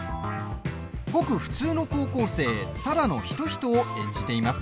ごく普通の高校生只野仁人を演じています。